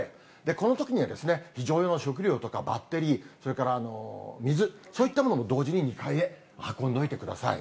このときにはですね、非常用の食料とかバッテリー、それから水、そういったものも同時に２階へ運んでおいてください。